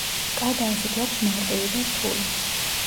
კადანსი გვაქვს მარტივი და რთული.